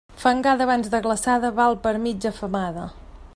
Fangada abans de glaçada val per mitja femada.